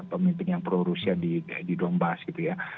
pemimpin yang pro rusia di dombas gitu ya